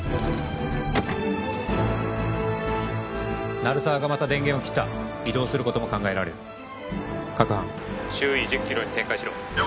鳴沢がまた電源を切った移動することも考えられる各班周囲１０キロに展開しろ了解